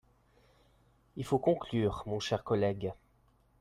Il faut conclure, mon cher collègue.